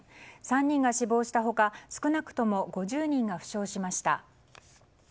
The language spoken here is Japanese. ３人が死亡した他少なくとも５０人が負傷しました。